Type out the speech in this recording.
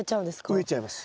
植えちゃいます。